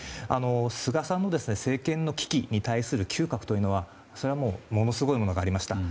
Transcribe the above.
菅さんの政権の危機に対する嗅覚というのはそれはものすごいものがありました。